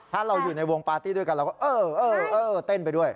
ถ้าเราอยู่ในวงปาร์ตี้ด้วยกันเราก็เออเต้นไปด้วย